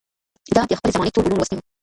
ده د خپلې زمانې ټول علوم لوستي وو